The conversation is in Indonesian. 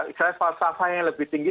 ikhlas falsafah yang lebih tinggi